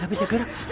gak bisa gerak